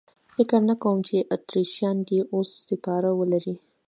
فکر نه کوم چې اتریشیان دې اس سپاره ولري.